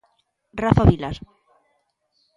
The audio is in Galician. Rafa Vilar.